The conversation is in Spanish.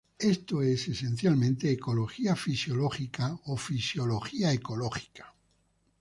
Esto es esencialmente ecología fisiológica o fisiología ecológica.